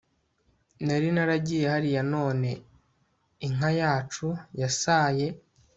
nari naragiye hariya none, inka yacu yasaye